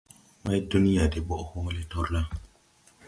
Maydunya de ɓɔʼ hɔɔlɛ tɔrlà.